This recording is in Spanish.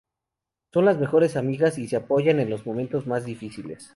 Son las mejores amigas y se apoyan en los momentos más difíciles.